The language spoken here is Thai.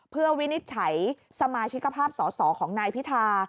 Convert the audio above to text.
เพื่อวินิจฉัยสมาชิกภาพสอสอของนายพิธา